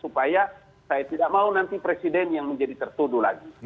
supaya saya tidak mau nanti presiden yang menjadi tertuduh lagi